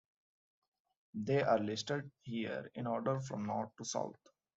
They are listed here in order from north to south.